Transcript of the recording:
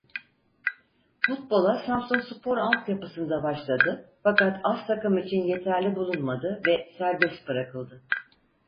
Futbola Samsunspor altyapısında başladı fakat as takım için yeterli bulunmadı ve serbest bırakıldı.